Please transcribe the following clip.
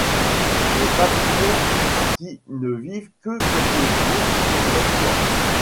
Les papillons, qui ne vivent que quelques jours, sont nocturnes.